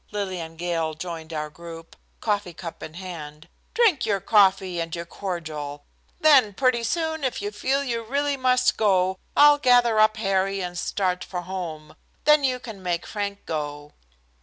Lillian Gale joined our group, coffee cup in hand. "Drink your coffee and your cordial. Then pretty soon, if you feel you really must go, I'll gather up Harry and start for home. Then you can make Frank go."